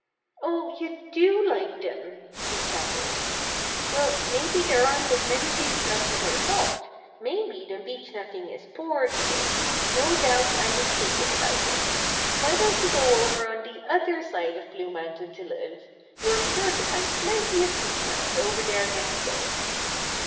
"Oh! You do like them!" he chattered. "Well, maybe there aren't as many beechnuts as I thought. Maybe the beechnutting is poor here. No doubt I'm mistaken about it. Why don't you go over on the other side of Blue Mountain to live? You're sure to find plenty of beechnuts over there next fall."